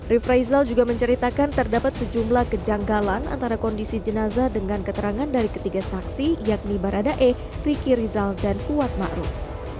rifraizal juga menceritakan terdapat sejumlah kejanggalan antara kondisi jenazah dengan keterangan dari ketiga saksi yakni baradae riki rizal dan kuat ⁇ maruf ⁇